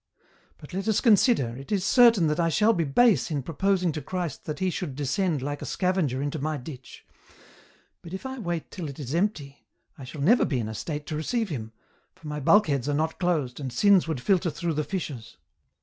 But let us consider, it is certain that I shall be base in proposing to Christ that He should descend like a scavenger into my ditch ; but if I wait till it is empty, I shall never be in a state to receive Him, for my bulkheads are not closed, and sins would filter through the fissures.